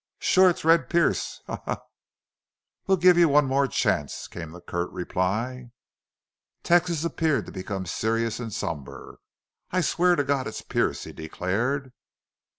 "Shore it's Red Pearce!... Haw! Haw! Haw!" "We'll give you one more chance," came the curt reply. Texas appeared to become serious and somber. "I swear to God it's Pearce!" he declared.